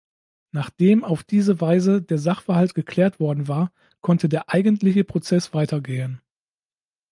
Nachdem auf diese Weise der Sachverhalt geklärt worden war, konnte der eigentliche Prozess weitergehen.